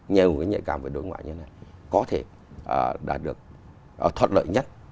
nhiều những cái nhạy cảm về đối ngoại như thế này có thể đã được thoát lợi nhất